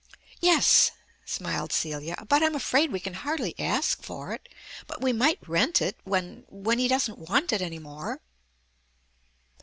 '" "Yes," smiled Celia, "but I'm afraid we can hardly ask for it. But we might rent it when when he doesn't want it any more."